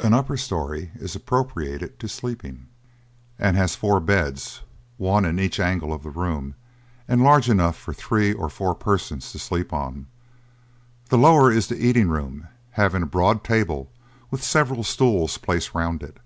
An upper story is appropriated to sleeping, and has four beds, one in each angle of the room, and large enough for three or four persons to sleep on. The lower is the eating room, having a broad table with several stools placed round it.